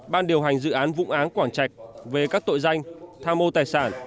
ban điều hành dự án vụ án quảng trạch về các tội danh tham mô tài sản